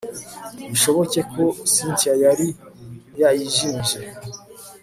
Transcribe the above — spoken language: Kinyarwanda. bishoboke ko cyntia yari yayijimije